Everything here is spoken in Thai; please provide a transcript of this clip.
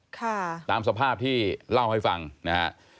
ค่ะตามสภาพที่เล่าให้ฟังนะฮะ